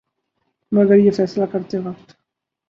مگر یہ فیصلہ کرتے وقت